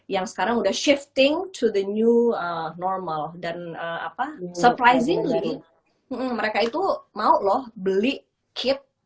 yang sekarang udah shifting to the new normal dan apa supar seeing ini mereka itu mau loh beli kit